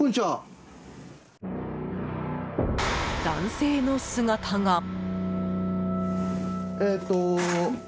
男性の姿が。